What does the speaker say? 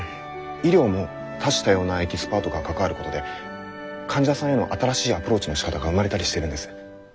医療も多種多様なエキスパートが関わることで患者さんへの新しいアプローチのしかたが生まれたりしてるんです。